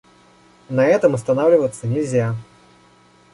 На этом останавливаться нельзя.